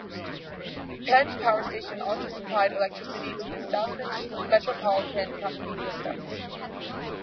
Penge power station also supplied electricity to the South Metropolitan Company system.